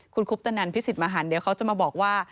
คุณคุปตนันพิสิทธิมหันเดี๋ยวเขาจะมาบอกว่า